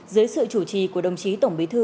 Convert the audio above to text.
dưới sự chủ trì của đồng chí tổng bí thư